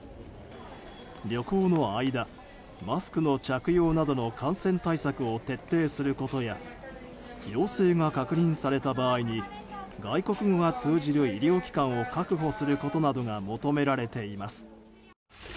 旅行の間マスクの着用などの感染対策を徹底することや陽性が確認された場合に外国語が通じる医療機関を確保することなどが求められています。